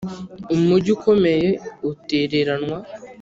Umugi ukomeye utereranwa